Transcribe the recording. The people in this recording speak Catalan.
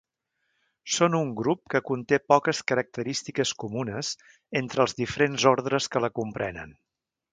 Són un grup que conté poques característiques comunes entre els diferents ordres que la comprenen.